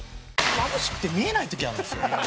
まぶしくて見えない時あるんですよ。